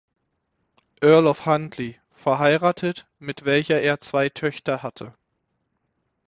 Earl of Huntly, verheiratet, mit welcher er zwei Töchter hatte.